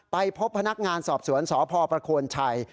ไปพบพนักงานสอบสวนสพประโคนชัย